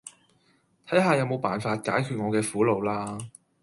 睇下有冇辦法解決我嘅苦惱啦